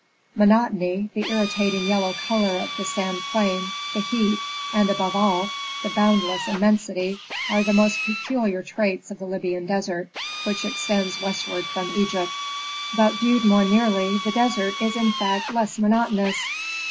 Monotony, the irritating yellow color of the sand plain, the heat, and, above all, boundless immensity are the most peculiar traits of the Libyan desert, which extends westward from Egypt. But viewed more nearly the desert is in fact less monotonous.